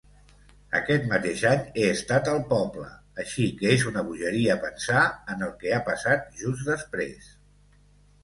Aquest mateix any he estat al poble, així que és una bogeria pensar en el que ha passat just després.